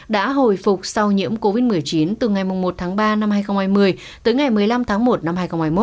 đã hồi phục sau nhiễm covid một mươi chín từ ngày một tháng ba năm hai nghìn hai mươi tới ngày một mươi năm tháng một năm hai nghìn hai mươi một